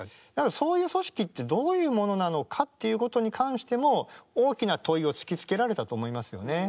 そういう組織ってどういうものなのかっていうことに関しても大きな問いを突きつけられたと思いますよね。